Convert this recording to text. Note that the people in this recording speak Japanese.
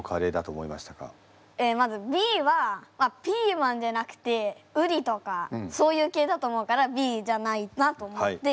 まずＢはピーマンじゃなくてうりとかそういう系だと思うからＢじゃないなと思って。